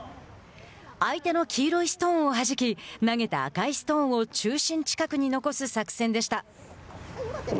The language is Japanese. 相手の黄色いストーンをはじき投げた赤いストーンを中心近くに残す作戦でした。